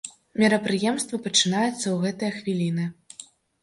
Мерапрыемства пачынаецца ў гэтыя хвіліны.